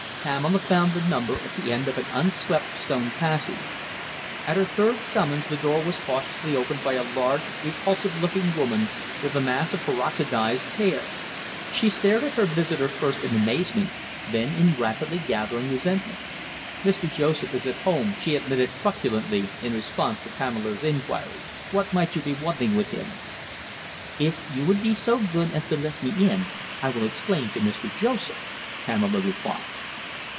Pamela found the number at the end of an unswept stone passage. At her third summons the door was cautiously opened by a large, repulsive looking woman, with a mass of peroxidised hair. She stared at her visitor first in amazement, then in rapidly gathering resentment. "Mr. Joseph is at home," she admitted truculently, in response to Pamela's inquiry. "What might you be wanting with him?" "If you will be so good as to let me in I will explain to Mr. Joseph," Pamela replied.